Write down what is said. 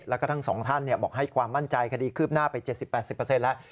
แล้วก็ทั้งสองท่านบอกให้ความมั่นใจคดีคืบหน้าไป๗๐๘๐แล้ว